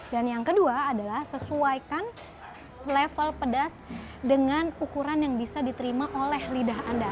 dan yang kedua adalah sesuaikan level pedas dengan ukuran yang bisa diterima oleh lidah anda